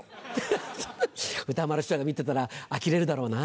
ハハ歌丸師匠が見てたらあきれるだろうな。